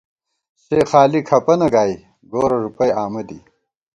سے خالی کھپَنہ گائی گورہ ݫُپَئ آمہ دی